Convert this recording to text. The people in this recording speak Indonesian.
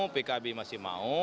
pkb masih mau